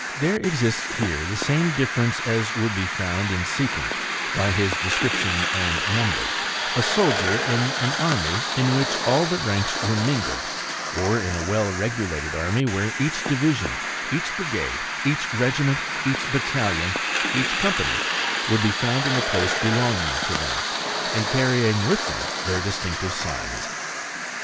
There exists here the same difference as would be found in seeking, by his description and number, a soldier in an army in which all the ranks were mingled, or in a well regulated army where each division, each brigade, each regiment, each battalion, each company, would be found in the place belonging to them, and carrying with them their distinctive signs.